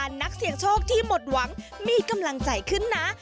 ให้เหล่าบันดาลนักเสียงโชคที่หมดหวังมีกำลังใจขึ้นนะ